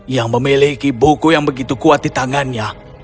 yang memiliki buku yang begitu kuat di tangannya